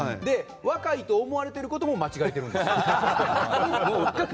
若いと思われていることも間違えているんですよ。